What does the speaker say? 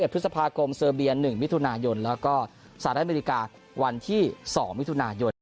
พฤษภาคมเซอร์เบียน๑มิถุนายนแล้วก็สหรัฐอเมริกาวันที่๒มิถุนายน